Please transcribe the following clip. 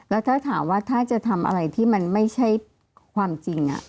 แล้วถ้าถามว่าถ้าจะทำอะไรที่มันไม่ใช่ความจริง